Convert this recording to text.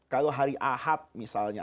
kalau hari ahad misalnya